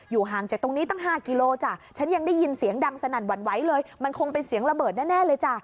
ห่างจากตรงนี้ตั้ง๕กิโลจ้ะฉันยังได้ยินเสียงดังสนั่นหวั่นไหวเลยมันคงเป็นเสียงระเบิดแน่เลยจ้ะ